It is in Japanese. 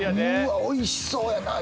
おいしそうやな！